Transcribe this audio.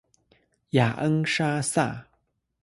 雅恩莎撒。